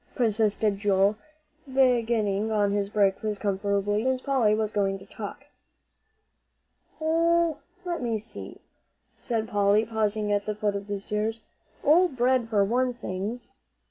persisted Joel, beginning on his breakfast comfortably, since Polly was going to talk. "Oh let me see," said Polly, pausing at the foot of the stairs. "Old bread, for one thing."